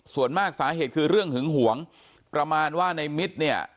ส่วนมากสาเหตุคือเรื่องหึงหวงประมาณว่าในมิตรเนี่ย